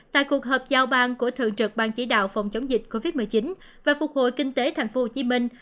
tại cuộc hợp giao bang của thượng trực bang chỉ đạo phòng chống dịch covid một mươi chín và phục hội kinh tế thành phố hồ chí minh